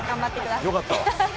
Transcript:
よかった。